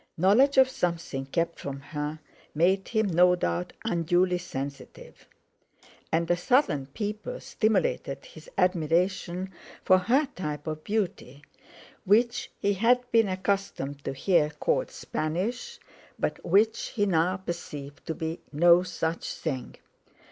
Knowledge of something kept from her made him, no doubt, unduly sensitive; and a Southern people stimulated his admiration for her type of beauty, which he had been accustomed to hear called Spanish, but which he now perceived to be no such thing.